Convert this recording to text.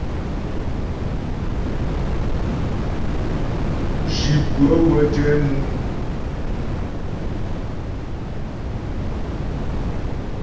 Zhi pʉə́ə wə́ jɛ mʉ.